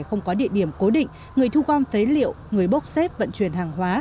không có địa điểm cố định người thu gom phế liệu người bốc xếp vận chuyển hàng hóa